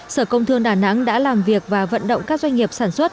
sở công thương đà nẵng đã làm việc và vận động các doanh nghiệp sản xuất